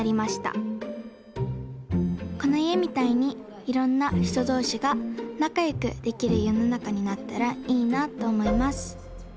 このいえみたいにいろんなひとどうしがなかよくできるよのなかになったらいいなとおもいます